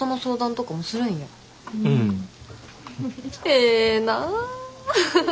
ええなぁ。